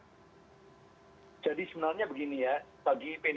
jadi sebenarnya begini ya